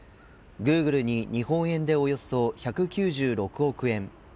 グーグルに日本円でおよそ１９６億円